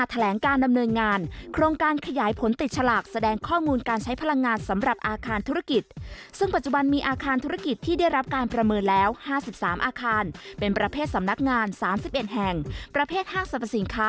ทั้งหมด๕๓แห่งด้วยกันติดตามจากบริหารงานครับ